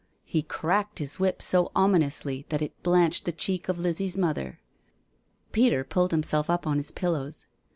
He cracked his whip so ominously that it blanched the cheek of Lizzie's mother. Peter pulled himself up on his pillows.